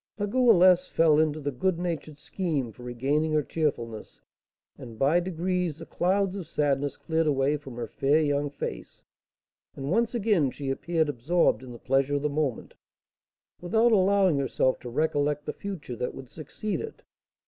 La Goualeuse fell into the good natured scheme for regaining her cheerfulness, and by degrees the clouds of sadness cleared away from her fair young face; and once again she appeared absorbed in the pleasure of the moment, without allowing herself to recollect the future that would succeed it.